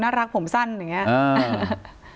น่ารักผมสั้นเหมือนงี้